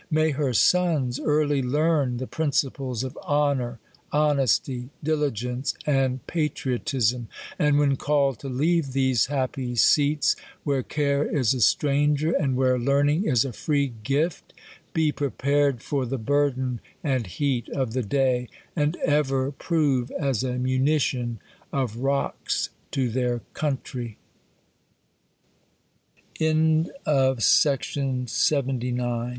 May her sons early learn the principles of honor, honesty, dili gence, and patriotism ; and when called to leave these happy seats, where care is a stranger, and where learn ing is a free gift, be prepared for the burden and heat of the day, and ever prove as a munit